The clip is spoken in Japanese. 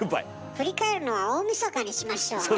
振り返るのは大みそかにしましょうね。